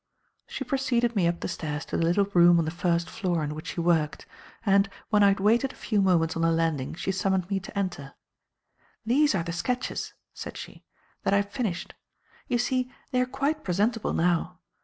She preceded me up the stairs to the little room on the first floor in which she worked, and, when I had waited a few moments on the landing she summoned me to enter. "These are the sketches," said she, "that I have finished. You see, they are quite presentable now.